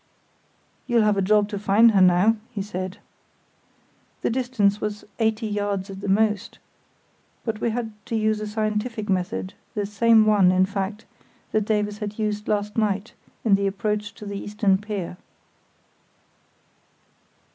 "You'll have a job to find her now," he said. The distance was eighty yards at the most, but we had to use a scientific method, the same one, in fact, that Davies had used last night in the approach to the eastern pier.